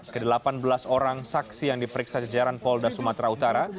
ke delapan belas orang saksi yang diperiksa jajaran polda sumatera utara